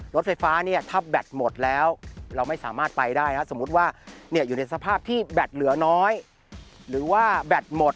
รถไฟฟ้าเนี่ยถ้าแบตหมดแล้วเราไม่สามารถไปได้นะสมมุติว่าอยู่ในสภาพที่แบตเหลือน้อยหรือว่าแบตหมด